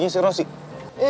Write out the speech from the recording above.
gak usah dipikirin